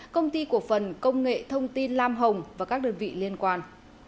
công ty cổ phần công nghệ thông tin lam hồng và các đơn vị liên quan